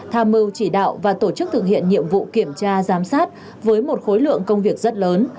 tham mưu chỉ đạo và tổ chức thực hiện nhiệm vụ kiểm tra giám sát với một khối lượng công việc rất lớn